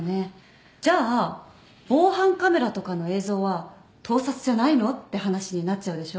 じゃあ防犯カメラとかの映像は盗撮じゃないの？って話になっちゃうでしょ？